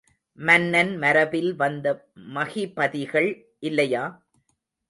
மன்னன் மரபில் வந்த மகிபதிகள் இல்லையா?